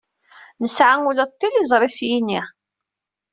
Nesɛa ula d tiliẓri s yini.